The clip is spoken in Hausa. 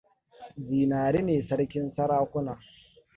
Zinari ne sarkin sarakuna.